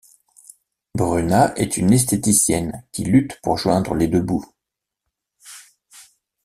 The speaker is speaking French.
Bruna est une esthéticienne qui lutte pour joindre les deux bouts.